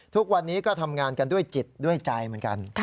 ทุกวันนี้ก็ทำงานกันด้วยจิตด้วยใจเหมือนกัน